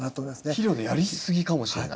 肥料のやりすぎかもしれない？